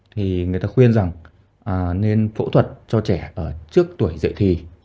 thì người ta khuyên rằng nên phẫu thuật cho trẻ ở trước tuổi dậy thì